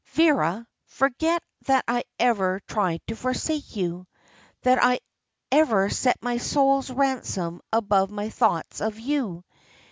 Vera, forget that I ever tried to forsake you that I ever set my soul's ransom above my thoughts of you.